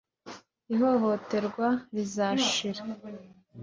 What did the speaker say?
ihohoterwa rizashira